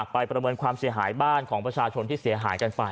ประเมินความเสียหายบ้านของประชาชนที่เสียหายกันไป